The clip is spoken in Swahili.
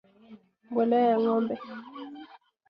mbolea ya ngombe